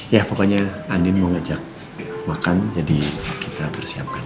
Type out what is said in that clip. ya pokoknya andien mau ngajak makan jadi kita bersiapkan